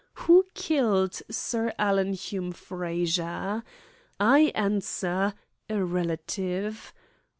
Who killed Sir Alan Hume Frazer? I answer, a relative.